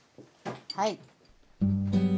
はい。